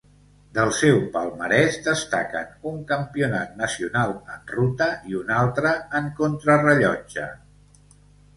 Del seu palmarès destaquen un Campionat nacional en ruta i un altre en contrarellotge.